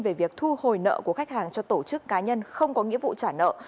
về việc thu hồi nợ của khách hàng cho tổ chức cá nhân không có nghĩa vụ trả nợ